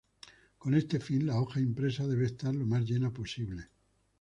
Con este fin, la hoja impresa debe estar lo más llena posible.